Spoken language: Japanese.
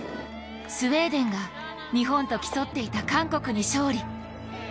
スウェーデンが日本と競っていた韓国に勝利。